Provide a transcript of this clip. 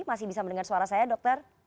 masih bisa mendengar suara saya dokter